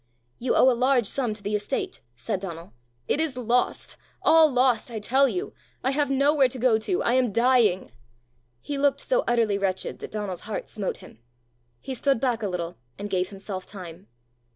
"You owe a large sum to the estate!" said Donal. "It is lost all lost, I tell you! I have nowhere to go to! I am dying!" He looked so utterly wretched that Donal's heart smote him. He stood back a little, and gave himself time.